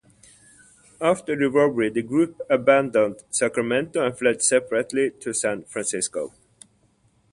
After the robbery the group abandoned Sacramento and fled separately to San Francisco.